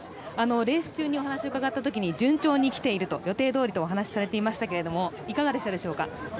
レース中にお話伺ったときに、順調にきている、予定どおりとお話しされていましたけど、いかがでしたでしょうか？